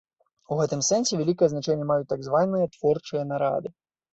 У гэтым сэнсе вялікае значэнне маюць так званыя творчыя нарады.